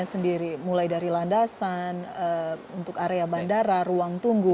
sendiri mulai dari landasan untuk area bandara ruang tunggu